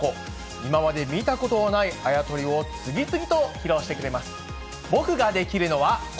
今まで見たことがないあや取りを次々と披露してくれます。